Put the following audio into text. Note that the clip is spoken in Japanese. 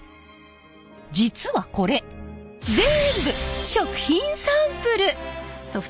実はこれぜんぶ食品サンプル！